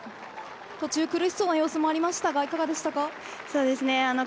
途中、苦しそうな様子もありましたが、いかがですか。